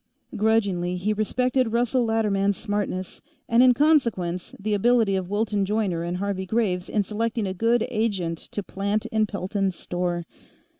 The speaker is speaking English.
Grudgingly, he respected Russell Latterman's smartness, and in consequence, the ability of Wilton Joyner and Harvey Graves in selecting a good agent to plant in Pelton's store.